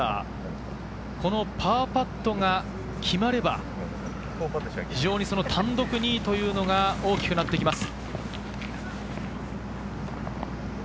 このパーパットが決まれば単独２位というのが大きくなってきます。